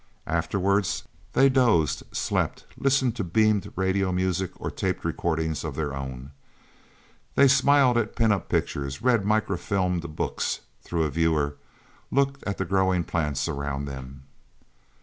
Afterwards they dozed, slept, listened to beamed radio music or taped recordings of their own. They smiled at pin up pictures, read microfilmed books through a viewer, looked at the growing plants around them.